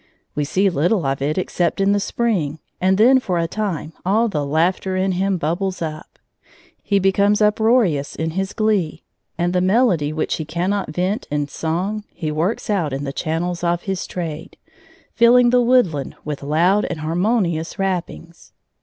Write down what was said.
We see little of it except in the spring, and then for a time all the laughter in him bubbles up; he becomes uproarious in his glee, and the melody which he cannot vent in song he works out in the channels of his trade, filling the woodland with loud and harmonious rappings.